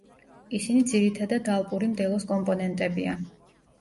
ისინი ძირითადად ალპური მდელოს კომპონენტებია.